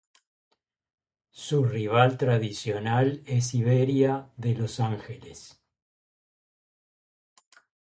Su rival tradicional es Iberia de Los Ángeles.